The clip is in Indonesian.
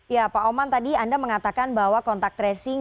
ya pak oman tadi anda mengatakan bahwa kontak tracing